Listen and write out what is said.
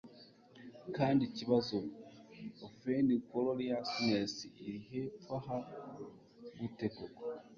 Kandi ikibazo: "Ubu vaingloriousness iri hepfo aha gute koko" ...